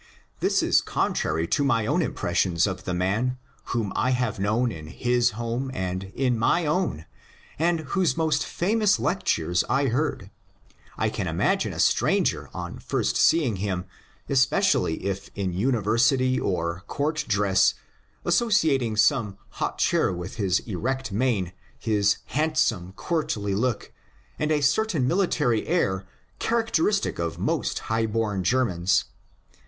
This is contrary to my own impressions of the man, whom I have known in his home and in my own, and whose most famous lectures I heard. I can imagine a stranger on first seeing him, especially if in university or court dress, associating some hauteur with his erect mien, his handsome, courtly look, and a certain military air characteristic of most high born Germans.